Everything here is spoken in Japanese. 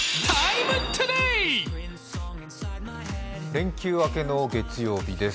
連休明けの月曜日です